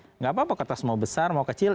tidak apa apa kertas mau besar mau kecil